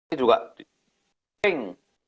ini juga sering